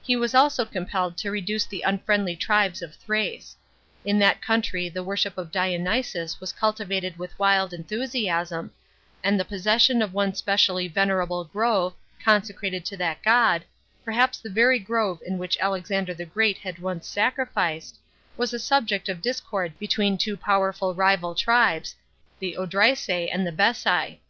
He was also compelled to reduce the unfriendly tribes of Thrace. In that country the worship of Dionysus was cultivated with wild enthusiasm,* and the possession of one specially venerable grove, consecrated to that god — perhaps the very grove in which Alexander the Great had once sacrificed — was a subject of discord between two powerful rival tribes, the Odrysas and the Bessi.